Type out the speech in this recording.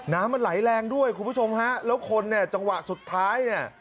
น้ำมันไหลแรงด้วยคุณผู้ชมฮะแล้วคนเนี่ยจังหวะสุดท้ายเนี่ย